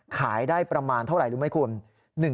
ขายได้ประมาณเท่าไหร่รู้ไหมคุณ